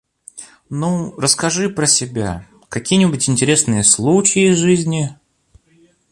Ну, расскажи про себя. Какие-нибудь интересные случаи из жизни!